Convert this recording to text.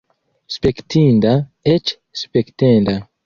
Spektinda, eĉ spektenda!